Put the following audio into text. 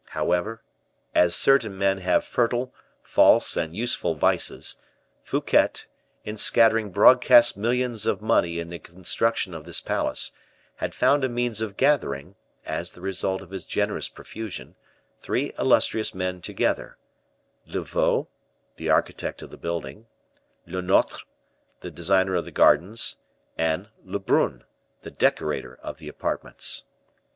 However, as certain men have fertile, false, and useful vices, Fouquet, in scattering broadcast millions of money in the construction of this palace, had found a means of gathering, as the result of his generous profusion, three illustrious men together: Levau, the architect of the building; Lenotre, the designer of the gardens; and Lebrun, the decorator of the apartments.